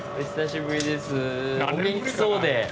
お元気そうで。